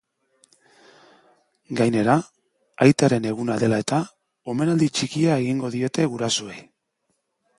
Gainera, aitaren eguna dela-eta, omenaldi txikia egingo diete gurasoei.